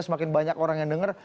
semakin banyak orang yang denger